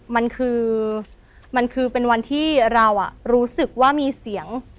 มันคือมันคือเป็นวันที่เรารู้สึกว่ามีเสียง